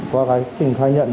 qua cái trình khai nhận